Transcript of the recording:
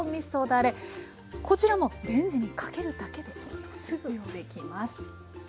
こちらもレンジにかけるだけですぐに出来ます。